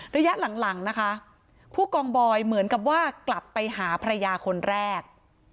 ระยะหลังนะคะผู้กองบอยเหมือนกับว่ากลับไปหาภรรยาคนแรก